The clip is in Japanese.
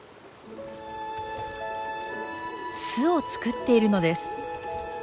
巣を作っているのです。